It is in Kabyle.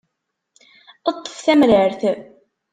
Ṭṭef tamrart.